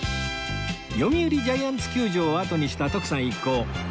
読売ジャイアンツ球場をあとにした徳さん一行